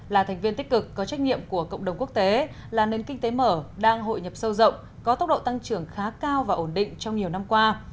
là thành viên tích cực có trách nhiệm của cộng đồng quốc tế là nền kinh tế mở đang hội nhập sâu rộng có tốc độ tăng trưởng khá cao và ổn định trong nhiều năm qua